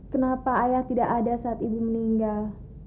kenapa ayah tidak ada saat ibu meninggal